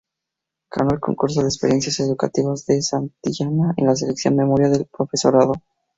Ganó el Concurso de Experiencias Educativas de Santillana en la sección Memoria del Profesorado.